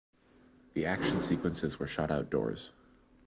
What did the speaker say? The action sequences were shot outdoors.